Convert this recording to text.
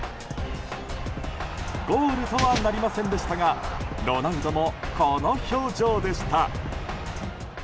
ゴールとはなりませんでしたがロナウドもこの表情でした。